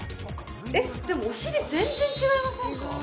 えっでもお尻全然違いませんか？